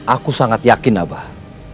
aku sangat yakin abah